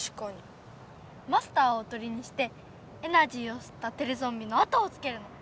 マスターをおとりにしてエナジーをすったテレゾンビの後をつけるの。